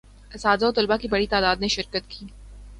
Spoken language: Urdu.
اساتذہ و طلباء کی بڑی تعداد نے شرکت کی